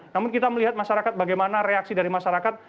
namun kita melihat masyarakat bagaimana reaksi dari masyarakat